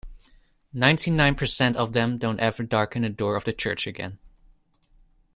Ninety-nine percent of them don't ever darken the door of the church again.